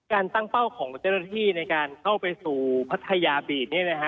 การตั้งเป้าของเจรฐธีในการเข้าไปสู่พัทยาบีช